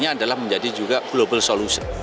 ini adalah menjadi juga global solution